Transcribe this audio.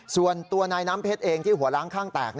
ส่วนตัวนายน้ำเพชรเองที่หัวล้างข้างแตก